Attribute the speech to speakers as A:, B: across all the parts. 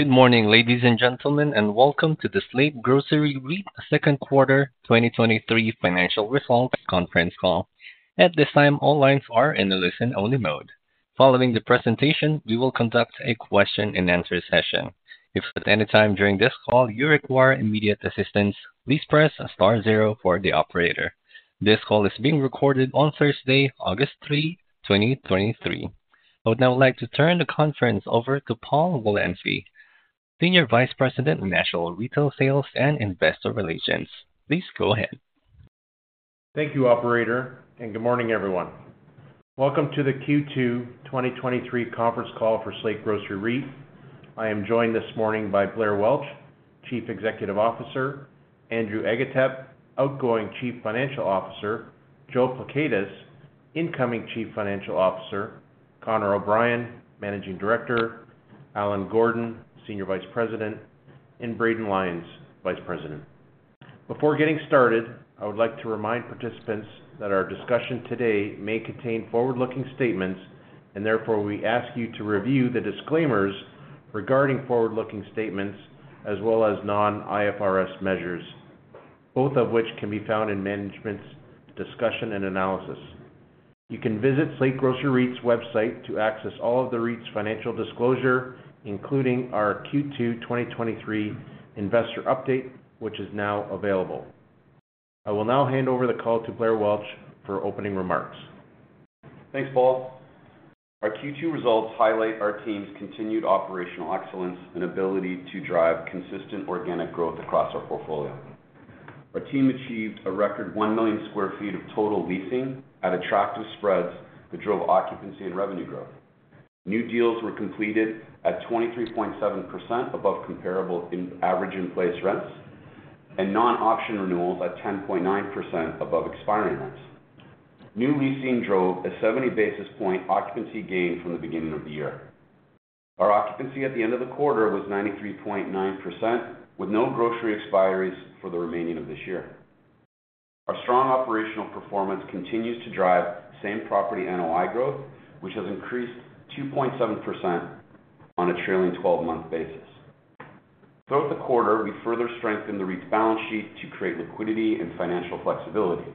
A: Good morning, ladies and gentlemen, and welcome to the Slate Grocery REIT second quarter 2023 financial results conference call. At this time, all lines are in a listen-only mode. Following the presentation, we will conduct a question-and-answer session. If at any time during this call you require immediate assistance, please press star zero for the operator. This call is being recorded on Thursday, August 3, 2023. I would now like to turn the conference over to Paul Wolanski, Senior Vice President, National Retail Sales and Investor Relations. Please go ahead.
B: Thank you, operator. Good morning, everyone. Welcome to the Q2 2023 conference call for Slate Grocery REIT. I am joined this morning by Blair Welch, Chief Executive Officer, Andrew Agatep, Outgoing Chief Financial Officer, Joe Pleckaitis, Incoming Chief Financial Officer, Connor O'Brien, Managing Director, Allen Gordon, Senior Vice President, and Braden Lyons, Vice President. Before getting started, I would like to remind participants that our discussion today may contain forward-looking statements, and therefore we ask you to review the disclaimers regarding forward-looking statements as well as non-IFRS measures, both of which can be found in management's discussion and analysis. You can visit Slate Grocery REIT's website to access all of the REIT's financial disclosure, including our Q2 2023 investor update, which is now available. I will now hand over the call to Blair Welch for opening remarks.
C: Thanks, Paul. Our Q2 results highlight our team's continued operational excellence and ability to drive consistent organic growth across our portfolio. Our team achieved a record 1 million square feet of total leasing at attractive spreads that drove occupancy and revenue growth. New deals were completed at 23.7% above comparable in average in-place rents, and non-option renewals at 10.9% above expiring rents. New leasing drove a 70 basis point occupancy gain from the beginning of the year. Our occupancy at the end of the quarter was 93.9%, with no grocery expiries for the remaining of this year. Our strong operational performance continues to drive same-property NOI growth, which has increased 2.7% on a trailing twelve-month basis. Throughout the quarter, we further strengthened the REIT's balance sheet to create liquidity and financial flexibility.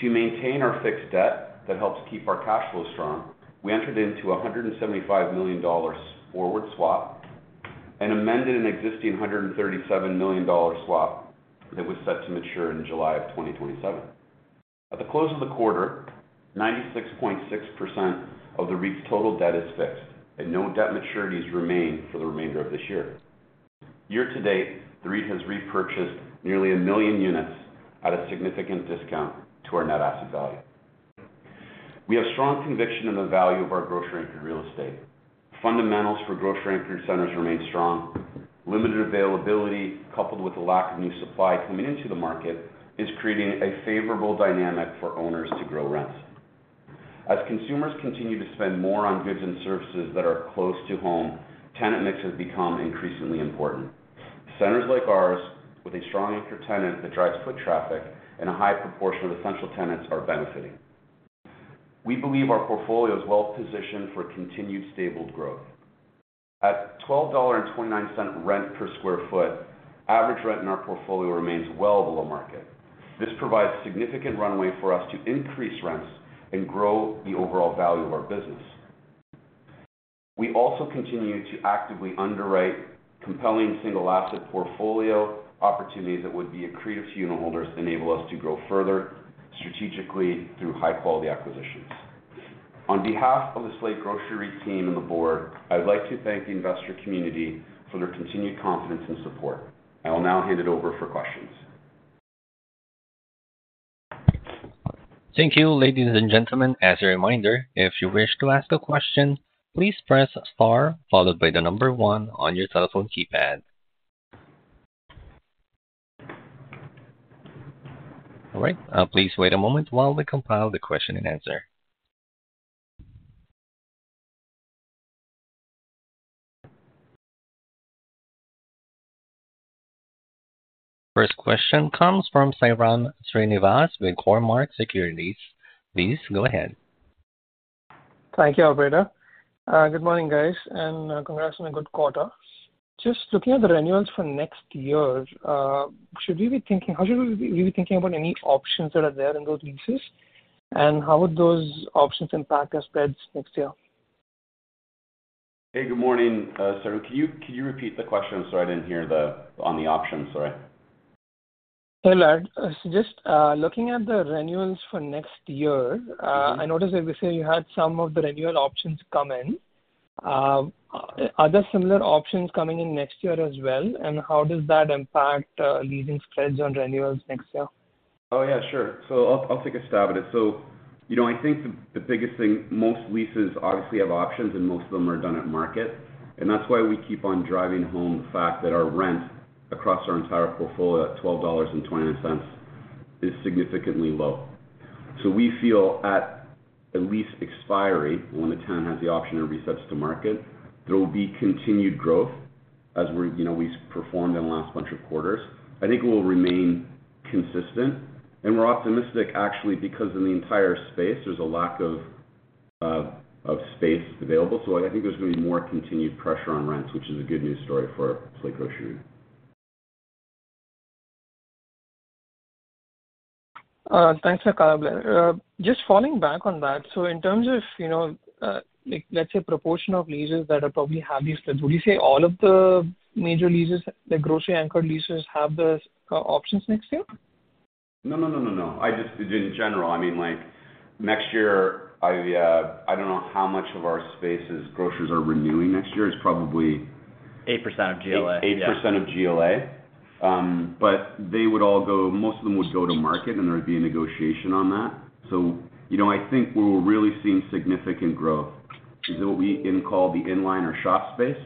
C: To maintain our fixed debt that helps keep our cash flow strong, we entered into a $175 million forward swap and amended an existing $137 million swap that was set to mature in July 2027. At the close of the quarter, 96.6% of the REIT's total debt is fixed. No debt maturities remain for the remainder of this year. Year to date, the REIT has repurchased nearly 1 million units at a significant discount to our net asset value. We have strong conviction in the value of our grocery-anchored real estate. Fundamentals for grocery-anchored centers remain strong. Limited availability, coupled with the lack of new supply coming into the market, is creating a favorable dynamic for owners to grow rents. As consumers continue to spend more on goods and services that are close to home, tenant mix has become increasingly important. Centers like ours, with a strong anchor tenant that drives foot traffic and a high proportion of essential tenants, are benefiting. We believe our portfolio is well positioned for continued stable growth. At $12.29 rent per square foot, average rent in our portfolio remains well below market. This provides significant runway for us to increase rents and grow the overall value of our business. We also continue to actively underwrite compelling single asset portfolio opportunities that would be accretive to unitholders, enable us to grow further strategically through high-quality acquisitions. On behalf of the Slate Grocery team and the board, I'd like to thank the investor community for their continued confidence and support. I will now hand it over for questions.
A: Thank you. Ladies and gentlemen, as a reminder, if you wish to ask a question, please press Star, followed by the 1 on your telephone keypad. All right, please wait a moment while we compile the question and answer. First question comes from Sairam Srinivas with Cormark Securities. Please go ahead.
D: Thank you, Operator. Good morning, guys, and congrats on a good quarter. Just looking at the renewals for next year, how should we be thinking about any options that are there in those leases? How would those options impact our spreads next year?
C: Hey, good morning, Sairam. Can you, can you repeat the question? Sorry, I didn't hear the, on the options, sorry.
D: Hey, lad. Just looking at the renewals for next year, I noticed that we say you had some of the renewal options come in. Are there similar options coming in next year as well, and how does that impact leasing spreads on renewals next year?
C: Oh, yeah, sure. I'll, I'll take a stab at it. So you know, I think the, the biggest thing, most leases obviously have options, and most of them are done at market. That's why we keep on driving home the fact that our rent across our entire portfolio at $12.29 is significantly low. We feel at a lease expiry, when the tenant has the option to reset to market, there will be continued growth as we're, you know, we've performed in the last bunch of quarters. I think we'll remain consistent, and we're optimistic, actually, because in the entire space, there's a lack of... of space available. I think there's going to be more continued pressure on rents, which is a good news story for pure-play grocery.
D: Thanks for the call. Just following back on that. In terms of, you know, like, let's say, proportion of leases that are probably heavy, would you say all of the major leases, the grocery anchor leases, have the options next year?
C: No, no, no, no, no. I just-- in general, I mean, like, next year, I, I don't know how much of our spaces grocers are renewing next year. It's probably-
E: 8% of GLA.
C: 8% of GLA. They would all most of them would go to market, and there would be a negotiation on that. You know, I think where we're really seeing significant growth is what we in call the inline or shop space.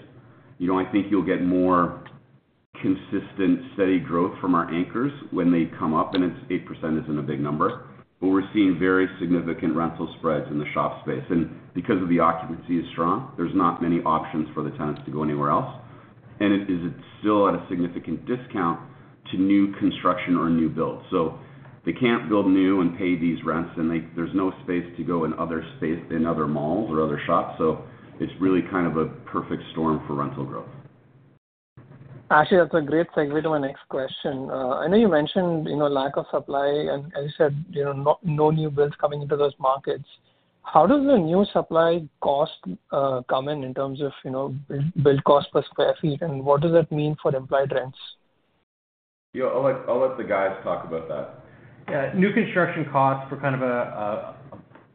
C: You know, I think you'll get more consistent, steady growth from our anchors when they come up, and it's 8% isn't a big number. We're seeing very significant rental spreads in the shop space, and because of the occupancy is strong, there's not many options for the tenants to go anywhere else. It is still at a significant discount to new construction or new build. They can't build new and pay these rents, and there's no space to go in other space, in other malls or other shops. It's really kind of a perfect storm for rental growth.
D: Actually, that's a great segue to my next question. I know you mentioned, you know, lack of supply, and, as you said, you know, no, no new builds coming into those markets. How does the new supply cost come in, in terms of, you know, build, build cost per square foot, and what does that mean for implied rents?
C: Yeah. I'll let, I'll let the guys talk about that.
E: Yeah. New construction costs for kind of a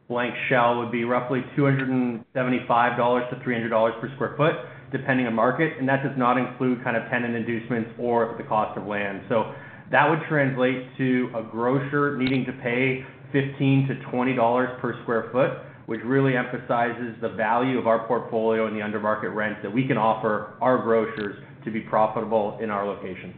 E: blank shell would be roughly $275-$300 per square foot, depending on market, and that does not include kind of tenant inducements or the cost of land. That would translate to a grocer needing to pay $15-$20 per square foot, which really emphasizes the value of our portfolio in the under-market rents, that we can offer our grocers to be profitable in our locations.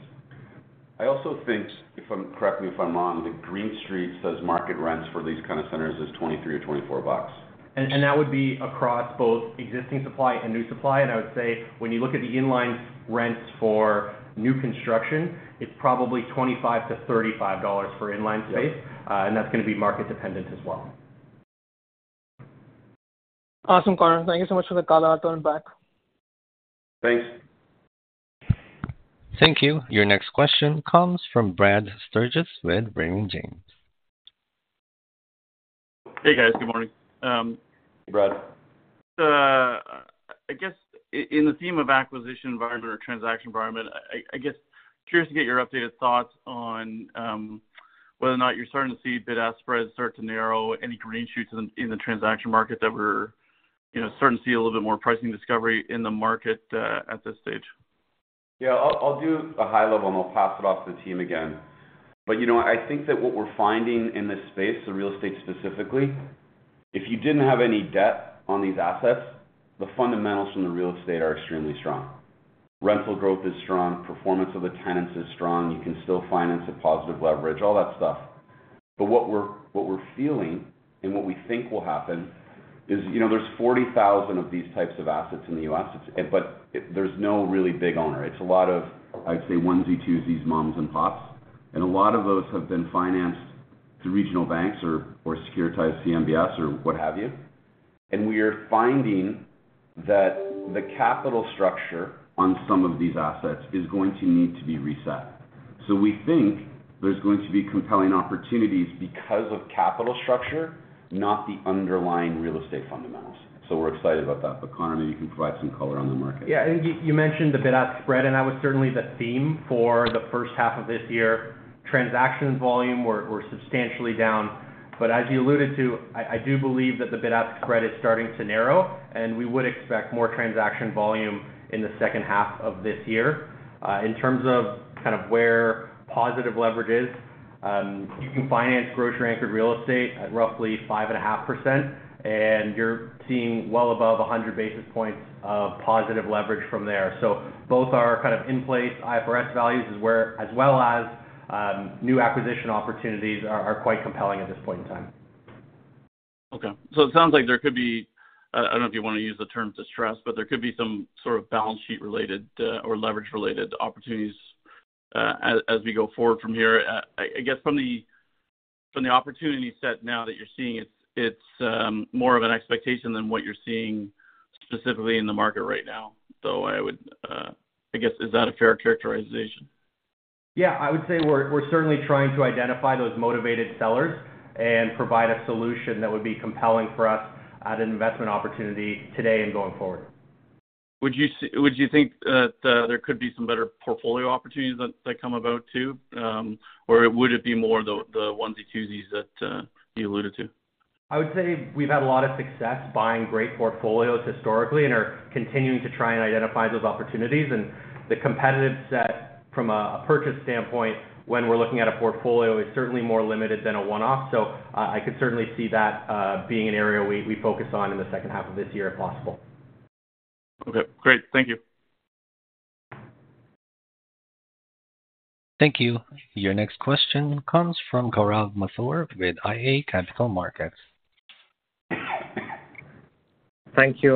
C: I also think, if correct me if I'm wrong, the Green Street says market rents for these kind of centers is $23 or $24.
E: That would be across both existing supply and new supply. I would say, when you look at the inline rents for new construction, it's probably $25-$35 for inline space.
C: Yeah.
E: That's going to be market dependent as well.
D: Awesome, Connor. Thank you so much for the call. I'll turn it back.
C: Thanks.
A: Thank you. Your next question comes from Brad Sturges with Raymond James.
F: Hey, guys. Good morning.
C: Hey, Brad.
F: I guess in the theme of acquisition environment or transaction environment, I, I guess, curious to get your updated thoughts on whether or not you're starting to see bid-ask spreads start to narrow, any green shoots in, in the transaction market that we're, you know, starting to see a little bit more pricing discovery in the market at this stage?
C: Yeah, I'll, I'll do a high level, and I'll pass it off to the team again. You know what? I think that what we're finding in this space, the real estate specifically, if you didn't have any debt on these assets, the fundamentals from the real estate are extremely strong. Rental growth is strong, performance of the tenants is strong. You can still finance a positive leverage, all that stuff. What we're, what we're feeling and what we think will happen is, you know, there's 40,000 of these types of assets in the U.S., there's no really big owner. It's a lot of, I'd say, onesie-twosies, moms and pops, and a lot of those have been financed through regional banks or, or securitized CMBS or what have you. We are finding that the capital structure on some of these assets is going to need to be reset. We think there's going to be compelling opportunities because of capital structure, not the underlying real estate fundamentals. We're excited about that. Connor, maybe you can provide some color on the market.
E: Yeah. You, you mentioned the bid-ask spread. That was certainly the theme for the first half of this year. Transactions volume were, were substantially down. As you alluded to, I, I do believe that the bid-ask spread is starting to narrow. We would expect more transaction volume in the second half of this year. In terms of kind of where positive leverage is, you can finance grocery-anchored real estate at roughly 5.5%. You're seeing well above 100 basis points of positive leverage from there. Both are kind of in place. IFRS values is where... as well as new acquisition opportunities are, are quite compelling at this point in time.
F: Okay. It sounds like there could be, I don't know if you want to use the term distress, but there could be some sort of balance sheet-related, or leverage-related opportunities, as, as we go forward from here. I, I guess from the, from the opportunity set now that you're seeing, it's, it's, more of an expectation than what you're seeing specifically in the market right now. I would... I guess, is that a fair characterization?
E: Yeah, I would say we're certainly trying to identify those motivated sellers and provide a solution that would be compelling for us at an investment opportunity today and going forward.
F: Would you see-- Would you think that there could be some better portfolio opportunities that, that come about too? Or would it be more the, the onesie-twosies that you alluded to?
E: I would say we've had a lot of success buying great portfolios historically and are continuing to try and identify those opportunities. The competitive set from a purchase standpoint, when we're looking at a portfolio, is certainly more limited than a one-off. I could certainly see that being an area we focus on in the second half of this year, if possible.
F: Okay, great. Thank you.
A: Thank you. Your next question comes from Gaurav Mathur with iA Capital Markets.
G: Thank you.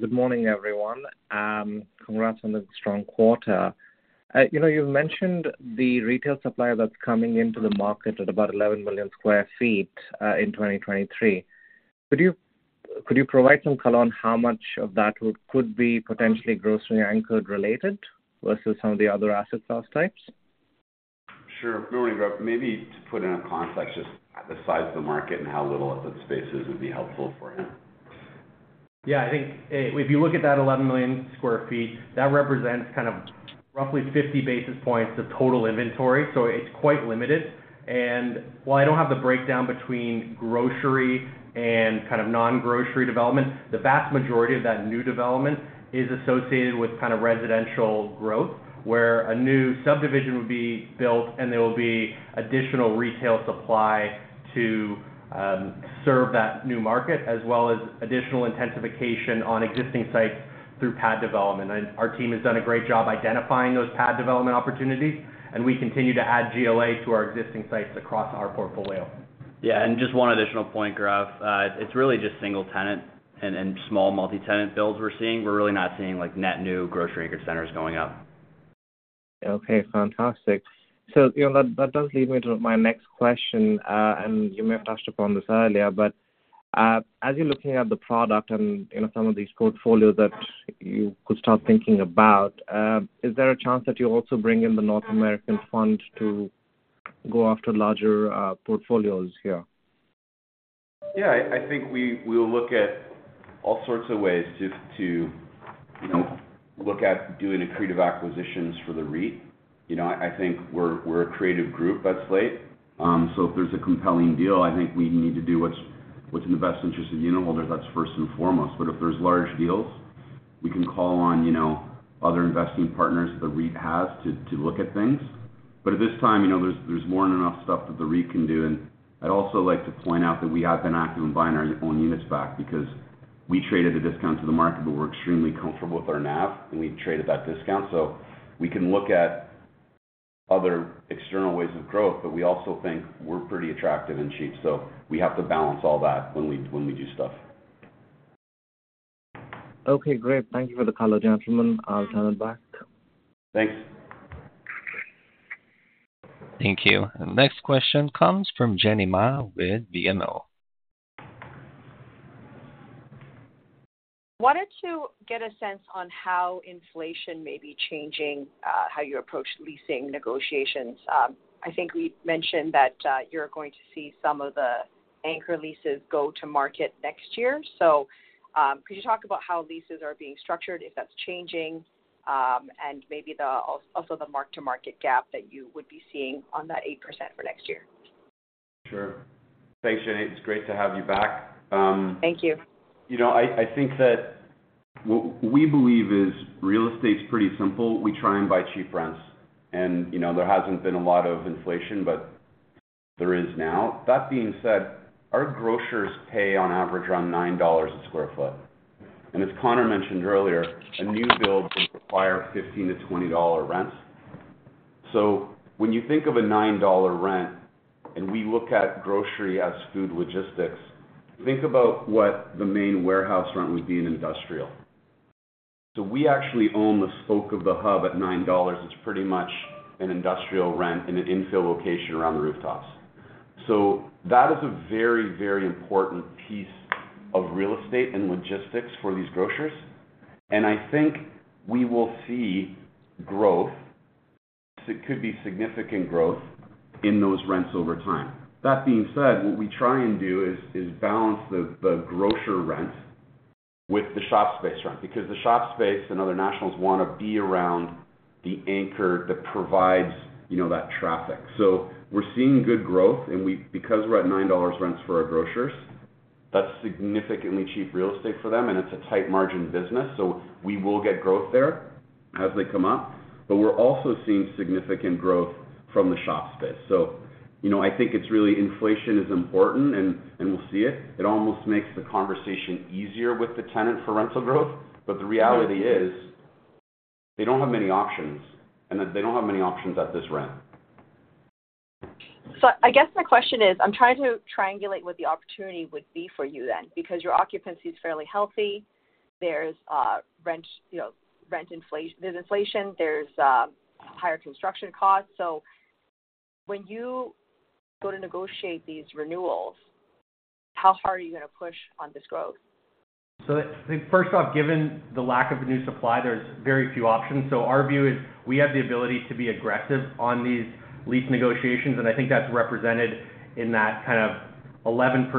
G: Good morning, everyone. Congrats on the strong quarter. You know, you've mentioned the retail supply that's coming into the market at about 11 million square feet, in 2023. Could you, could you provide some color on how much of that could be potentially grocery-anchored related versus some of the other asset class types?
C: Sure. Morning, Gaurav. Maybe to put in a context, just the size of the market and how little of the spaces would be helpful for him.
E: Yeah, I think, if you look at that 11 million sq ft, that represents kind of roughly 50 basis points of total inventory, so it's quite limited. While I don't have the breakdown between grocery and kind of non-grocery development, the vast majority of that new development is associated with kind of residential growth. Where a new subdivision would be built, and there will be additional retail supply to serve that new market, as well as additional intensification on existing sites through pad development. Our team has done a great job identifying those pad development opportunities, and we continue to add GLA to our existing sites across our portfolio.
H: Yeah, just one additional point, Gaurav. It's really just single tenant and, and small multi-tenant builds we're seeing. We're really not seeing, like, net new grocery anchor centers going up.
G: Okay, fantastic. you know, that, that does lead me to my next question, and you may have touched upon this earlier, but, as you're looking at the product and, you know, some of these portfolios that you could start thinking about, is there a chance that you'll also bring in the North American fund to go after larger, portfolios here?
C: Yeah, I, I think we'll look at all sorts of ways just to, you know, look at doing accretive acquisitions for the REIT. You know, I think we're, we're a creative group at Slate. If there's a compelling deal, I think we need to do what's, what's in the best interest of the unitholders. That's first and foremost. If there's large deals, we can call on, you know, other investing partners the REIT has to, to look at things. At this time, you know, there's, there's more than enough stuff that the REIT can do. I'd also like to point out that we have been active in buying our own units back because we traded a discount to the market, but we're extremely comfortable with our NAV, and we've traded that discount. We can look at other external ways of growth, but we also think we're pretty attractive and cheap, so we have to balance all that when we, when we do stuff.
G: Okay, great. Thank you for the call, gentlemen. I'll turn it back.
C: Thanks.
A: Thank you. Next question comes from Jenny Ma with BMO.
I: Wanted to get a sense on how inflation may be changing, how you approach leasing negotiations. I think we've mentioned that, you're going to see some of the anchor leases go to market next year. Could you talk about how leases are being structured, if that's changing? And maybe also the mark-to-market gap that you would be seeing on that 8% for next year.
C: Sure. Thanks, Jenny. It's great to have you back.
I: Thank you.
C: You know, I, I think that what we believe is real estate's pretty simple. We try and buy cheap rents, and, you know, there hasn't been a lot of inflation, but there is now. That being said, our grocers pay on average around $9 a square foot. As Connor mentioned earlier, a new build would require $15-$20 rents. When you think of a $9 rent, and we look at grocery as food logistics, think about what the main warehouse rent would be in industrial. We actually own the spoke of the hub at $9. It's pretty much an industrial rent in an infill location around the rooftops. That is a very, very important piece of real estate and logistics for these grocers. I think we will see growth. It could be significant growth in those rents over time. What we try and do is, is balance the, the grocer rent with the shop space rent, because the shop space and other nationals want to be around the anchor that provides, you know, that traffic. We're seeing good growth, and because we're at $9 rents for our grocers, that's significantly cheap real estate for them, and it's a tight margin business, we will get growth there as they come up. We're also seeing significant growth from the shop space. You know, I think it's really, inflation is important and, and we'll see it. It almost makes the conversation easier with the tenant for rental growth. The reality is, they don't have many options, and that they don't have many options at this rent.
I: I guess my question is, I'm trying to triangulate what the opportunity would be for you then, because your occupancy is fairly healthy. There's rent, you know, rent inflation. There's inflation, there's higher construction costs. When you go to negotiate these renewals, how hard are you gonna push on this growth?
E: I think first off, given the lack of a new supply, there's very few options. Our view is we have the ability to be aggressive on these lease negotiations, and I think that's represented in that kind of 11%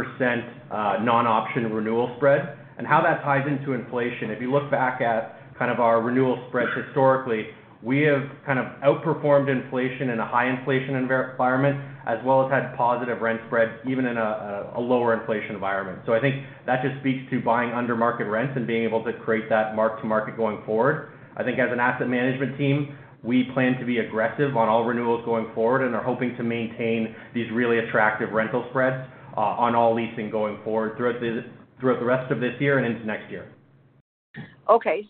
E: non-option renewal spread. How that ties into inflation, if you look back at kind of our renewal spreads historically, we have kind of outperformed inflation in a high inflation environment, as well as had positive rent spread, even in a lower inflation environment. I think that just speaks to buying under market rents and being able to create that mark-to-market going forward. I think as an asset management team, we plan to be aggressive on all renewals going forward and are hoping to maintain these really attractive rental spreads, on all leasing going forward throughout the rest of this year and into next year.
I: Okay,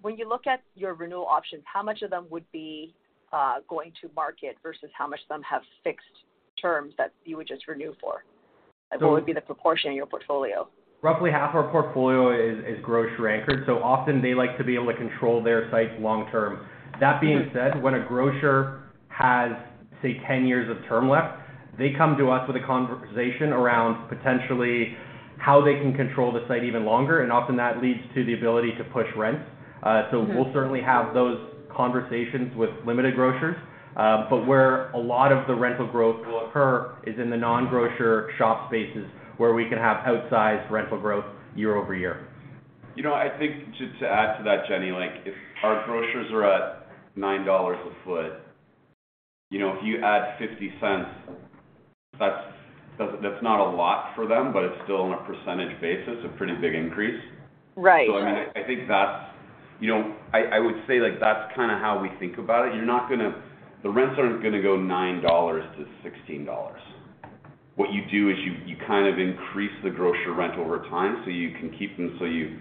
I: when you look at your renewal options, how much of them would be going to market versus how much of them have fixed terms that you would just renew for? Like, what would be the proportion in your portfolio?
E: Roughly half our portfolio is, is grocery-anchored, so often they like to be able to control their sites long term. That being said, when a grocer has, say, 10 years of term left, they come to us with a conversation around potentially how they can control the site even longer, and often that leads to the ability to push rents. We'll certainly have those conversations with limited grocers. Where a lot of the rental growth will occur is in the non-grocer shop spaces, where we can have outsized rental growth year-over-year.
C: You know, I think just to add to that, Jenny, like, if our grocers are at $9 a foot, you know, if you add $0.50, that's, that's not a lot for them, but it's still on a percentage basis, a pretty big increase.
I: Right.
C: I, I think that's, you know, I, I would say, like, that's kinda how we think about it. You're not gonna. The rents aren't gonna go $9 to $16. What you do is you, you kind of increase the grocer rent over time, so you can keep them, so you.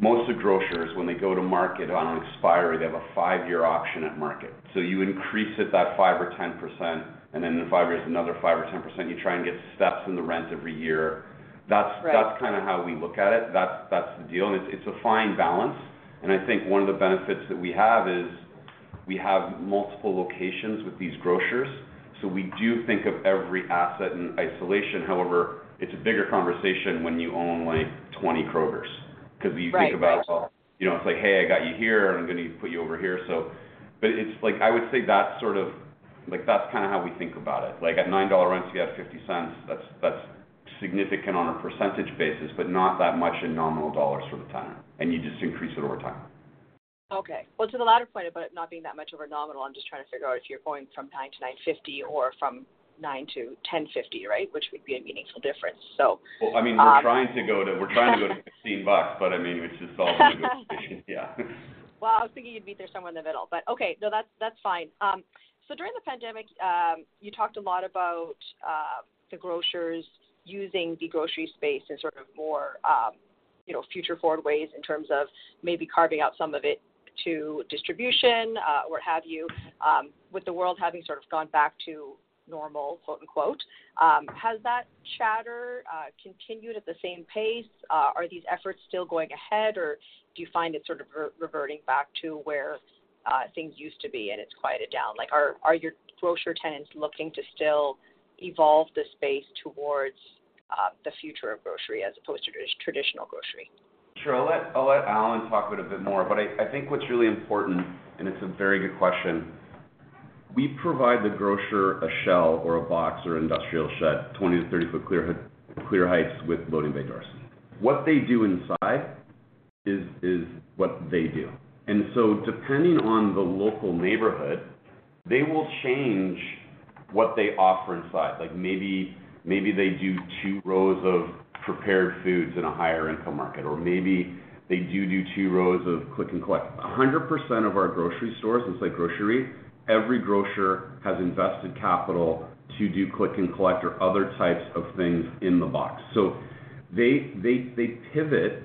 C: Most of the grocers, when they go to market on expiry, they have a 5-year option at market. You increase it that 5% or 10%, and then in 5 years, another 5% or 10%. You try and get steps in the rent every year.
I: Right.
C: That's, that's kind of how we look at it. That's, that's the deal. It's, it's a fine balance, and I think one of the benefits that we have is, we have multiple locations with these grocers, so we do think of every asset in isolation. However, it's a bigger conversation when you own, like, 20 Krogers.
I: Right.
C: You think about, you know, it's like: Hey, I got you here, and I'm going to put you over here. It's like, I would say that's sort of, like, that's kind of how we think about it. Like, at nine dollar rents, you add $0.50, that's, that's significant on a percentage basis, but not that much in nominal dollars for the tenant, and you just increase it over time.
I: Okay. Well, to the latter point about it not being that much of a nominal, I'm just trying to figure out if you're going from $9.00 to $9.50 or from $9.00 to $10.50, right? Which would be a meaningful difference, so.
C: Well, I mean, We're trying to go to $16, but I mean, it's just all a negotiation. Yeah.
I: Well, I was thinking you'd meet there somewhere in the middle, but okay. No, that's, that's fine. During the pandemic, you talked a lot about the grocers using the grocery space in sort of more, you know, future forward ways, in terms of maybe carving out some of it to distribution, what have you. With the world having sort of gone back to normal, quote, unquote, has that chatter continued at the same pace? Are these efforts still going ahead, or do you find it sort of reverting back to where things used to be and it's quieted down? Like, are, are your grocer tenants looking to still evolve the space towards the future of grocery as opposed to traditional grocery?
C: Sure. I'll let, I'll let Allen Gordon talk about it a bit more, but I, I think what's really important, and it's a very good question. We provide the grocer a shell or a box or industrial shed, 20- to 30-foot clear height, clear height with loading bay doors. What they do inside is, is what they do. So, depending on the local neighborhood, they will change what they offer inside. Like, maybe, maybe they do do 2 rows of prepared foods in a higher income market, or maybe they do do 2 rows of click-and-collect. 100% of our grocery stores, it's like grocery. Every grocer has invested capital to do click-and-collect or other types of things in the box. They, they, they pivot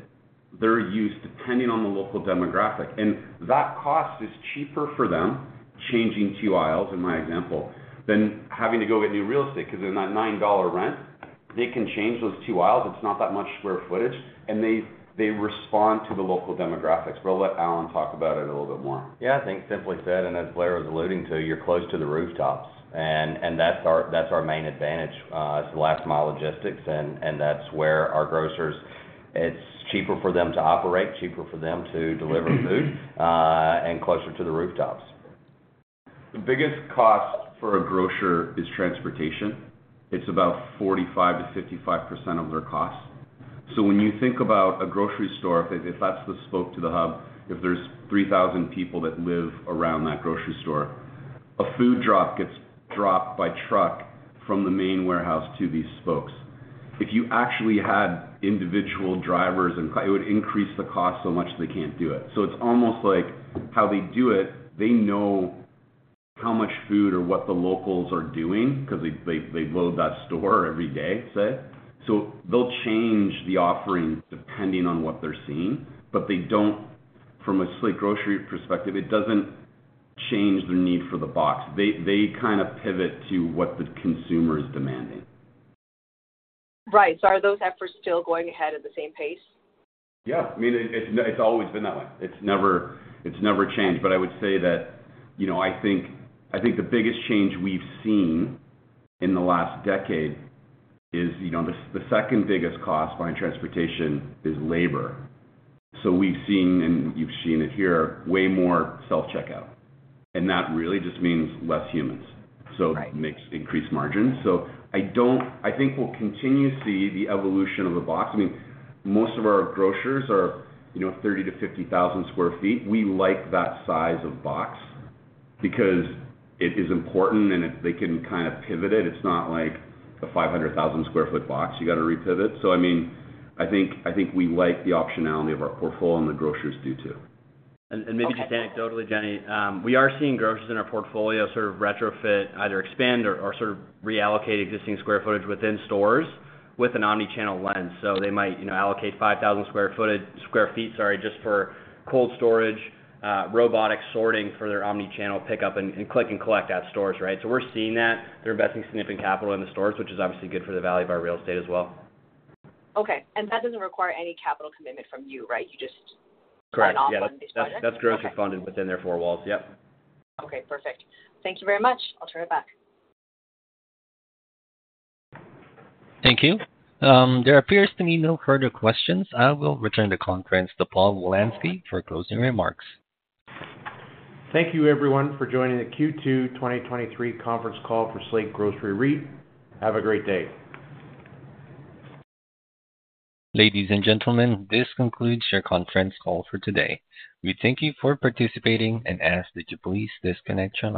C: their use depending on the local demographic. That cost is cheaper for them, changing two aisles, in my example, than having to go get new real estate, 'cause in that $9 rent, they can change those two aisles. It's not that much square footage. They, they respond to the local demographics. I'll let Allen talk about it a little bit more.
H: Yeah, I think simply said, and as Blair was alluding to, you're close to the rooftops, and, and that's our, that's our main advantage, is the last mile logistics, and, and that's where our grocers. It's cheaper for them to operate, cheaper for them to deliver food, and closer to the rooftops.
C: The biggest cost for a grocer is transportation. It's about 45%-55% of their costs. When you think about a grocery store, if that's the spoke to the hub, if there's 3,000 people that live around that grocery store, a food drop gets dropped by truck from the main warehouse to these spokes. If you actually had individual drivers and clients, it would increase the cost so much they can't do it. It's almost like how they do it, they know how much food or what the locals are doing because they load that store every day, say. They'll change the offerings depending on what they're seeing, but from a Slate Grocery perspective, it doesn't change the need for the box. They, they kind of pivot to what the consumer is demanding.
I: Right. Are those efforts still going ahead at the same pace?
C: Yeah. I mean, it's, it's always been that way. It's never, it's never changed. I would say that, you know, I think, I think the biggest change we've seen in the last decade is, you know, the, the second biggest cost behind transportation is labor. We've seen, and you've seen it here, way more self-checkout, and that really just means less humans.
I: Right.
C: It makes increased margins. I think we'll continue to see the evolution of the box. I mean, most of our grocers are, you know, 30,000-50,000 sq ft. We like that size of box because it is important, and if they can kind of pivot it, it's not like a 500,000 sq ft box you got to repivot. I mean, I think, I think we like the optionality of our portfolio, and the grocers do, too.
H: Maybe anecdotally, Jenny, we are seeing grocers in our portfolio sort of retrofit, either expand or, or sort of reallocate existing square footage within stores with an omni-channel lens. They might, you know, allocate 5,000 sq ft, sorry, just for cold storage, robotic sorting for their omni-channel pickup and click-and-collect at stores, right? We're seeing that. They're investing significant capital in the stores, which is obviously good for the value of our real estate as well.
I: Okay. That doesn't require any capital commitment from you, right? You just-
H: Correct.
I: Got it.
H: Yeah. That's, that's grocery funded within their four walls. Yep.
I: Okay, perfect. Thank you very much. I'll turn it back.
A: Thank you. There appears to be no further questions. I will return the conference to Paul Wolanski for closing remarks.
B: Thank you, everyone, for joining the Q2 2023 conference call for Slate Grocery REIT. Have a great day.
A: Ladies and gentlemen, this concludes your conference call for today. We thank you for participating and ask that you please disconnect your lines.